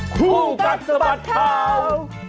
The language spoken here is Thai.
ครูกัดสบัดข่าว